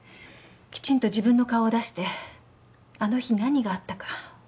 きちんと自分の顔を出してあの日何があったかお話し致します。